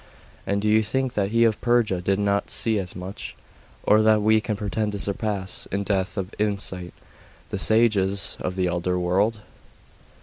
'And do you think that he of Perga did not see as much? or that we can pretend to surpass, in depth of insight, the sages of the elder world?